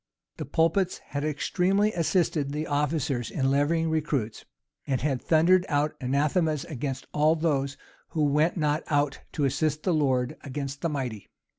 The pulpits had extremely assisted the officers in levying recruits, and had thundered out anathemas against all those "who went not out to assist the Lord against the mighty."